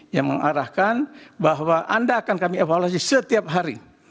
yang mengarahkan bahwa anda akan kami evaluasi setiap hari